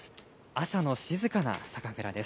朝の静かな酒蔵です。